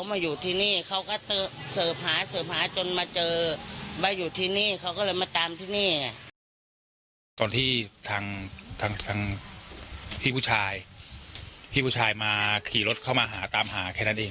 พี่ผู้ชายมาขี่รถเข้ามาหาตามหาแค่นั้นเอง